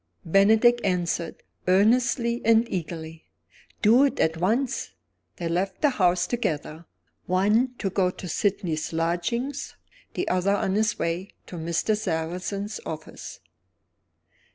Bennydeck answered, earnestly and eagerly: "Do it at once!" They left the house together one to go to Sydney's lodgings, the other on his way to Mr. Sarrazin's office.